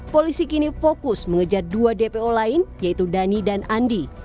polisi kini fokus mengejar dua dpo lain yaitu dhani dan andi